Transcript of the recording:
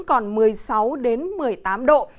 còn một mươi sáu đến một mươi tám độ